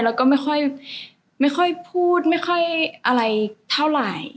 แล้วก็ไม่ค่อยพูดไม่ค่อยอะไรเท่าไหร่